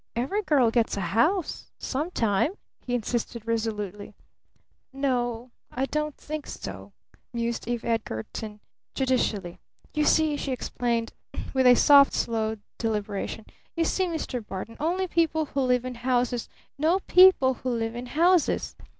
"Every girl gets a house some time!" he insisted resolutely. "N o, I don't think so," mused Eve Edgarton judicially. "You see," she explained with soft, slow deliberation, "you see, Mr. Barton, only people who live in houses know people who live in houses!